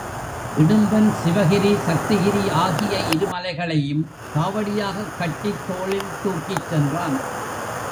இடும்பன் சிவகிரி, சக்திகிரி ஆகிய இரு மலைகளையும் காவடியாகக் கட்டித் தோளில் தூக்கிச் சென்றான்.